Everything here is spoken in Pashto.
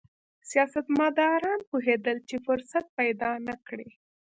سیاستمداران پوهېدل چې فرصت پیدا نه کړي.